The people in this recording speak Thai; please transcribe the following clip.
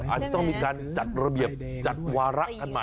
อาจจะต้องมีการจัดระเบียบจัดวาระกันใหม่